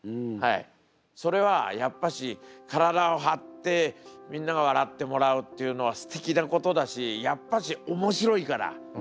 それはやっぱし体をはってみんな笑ってもらうっていうのはすてきなことだしやっぱしおもしろいから。